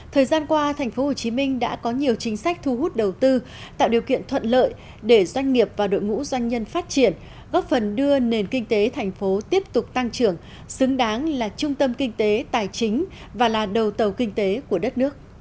thời gian qua tp hcm đã có nhiều chính sách thu hút đầu tư tạo điều kiện thuận lợi để doanh nghiệp và đội ngũ doanh nhân phát triển góp phần đưa nền kinh tế thành phố tiếp tục tăng trưởng xứng đáng là trung tâm kinh tế tài chính và là đầu tàu kinh tế của đất nước